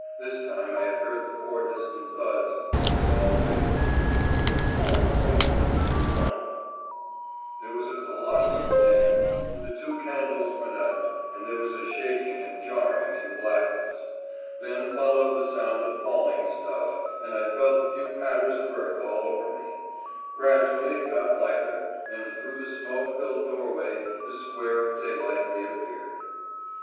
This time I had heard the four distant thuds, and we all waited. "Wump, wump CRUMP." There was a colossal din, the two candles went out, and there was a shaking and jarring in the blackness. Then followed the sound of falling stuff, and I felt a few patters of earth all over me. Gradually it got lighter, and through the smoke filled doorway the square of daylight reappeared.